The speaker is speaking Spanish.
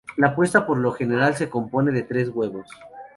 La puesta por lo general se compone de tres huevos.